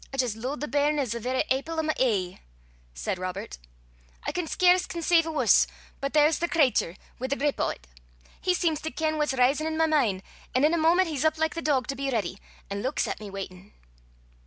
"I jist lo'e the bairn as the verra aipple o' my ee," said Robert. "I can scarce consaive a wuss, but there's the cratur wi' a grip o' 't! He seems to ken what's risin' i' my min', an' in a moment he's up like the dog to be ready, an' luiks at me waitin'."